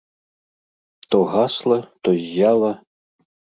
То гасла, то ззяла.